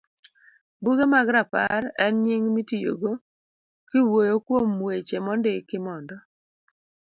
Buge mag Rapar en nying mitiyogo kiwuoyo kuom weche mondiki mondo